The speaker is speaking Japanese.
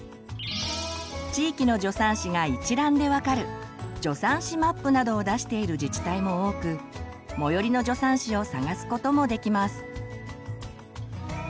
地域の助産師が一覧で分かる「助産師マップ」などを出している自治体も多く最寄りの助産師を探すこともできます。